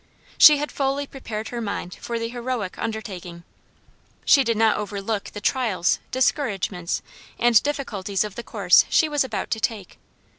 She had fully prepared her mind for the heroic undertaking. She did not overlook the trials, discouragements, and difficulties of the course she was about to take.